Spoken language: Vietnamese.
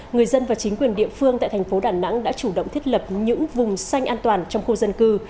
người dân và chính quyền địa phương tại thành phố đà nẵng đã chủ động thiết lập những vùng xanh an toàn trong khu dân cư